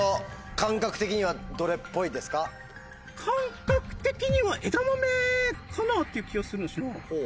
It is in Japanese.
感覚的には枝豆かな？っていう気はするなっしなー。